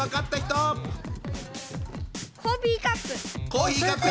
コーヒーカップ！